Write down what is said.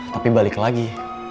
tapi balik lagi